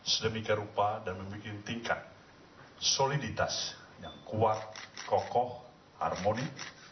sedemikian rupa dan membuat tingkat soliditas yang kuat kokoh harmoni